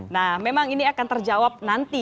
nah memang ini akan terjawab nanti